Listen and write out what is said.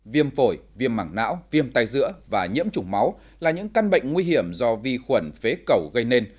viêm phổi viêm mảng não viêm tai dữa và nhiễm chủng máu là những căn bệnh nguy hiểm do vi khuẩn phế cầu gây nên